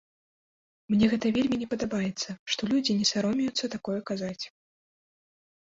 Мне гэта вельмі не падабаецца, што людзі не саромеюцца такое казаць.